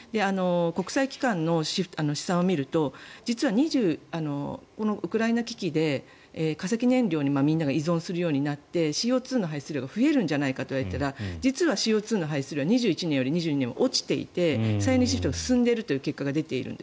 国際機関の試算を見るとこのウクライナ危機で化石燃料にみんなが依存するようになってＣＯ２の排出量が増えるといわれていたけどＣＯ２の排出量は２１年より２２年は落ちていて再エネシフトが進んでいるという結果が出ている。